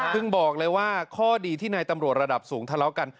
บอกเลยว่าข้อดีที่นายตำรวจระดับสูงทะเลาะกัน